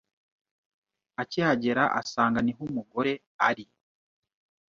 Akihagera asanga ni ho umugore ari,